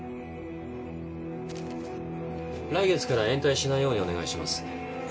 来月からは延滞しないようにお願いします。